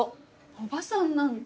「おばさん」なんて。